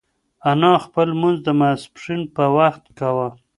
انا خپل لمونځ د ماسپښین په وخت کاوه.